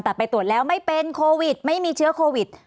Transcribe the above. แต่ไปตรวจแล้วไม่เป็นโควิดไม่มีเชื้อโควิด